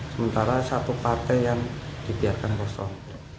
sementara satu partai yang dibiarkan kosong